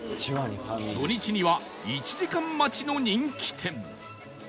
土日には１時間待ちの人気店